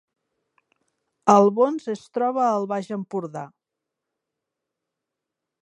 Albons es troba al Baix Empordà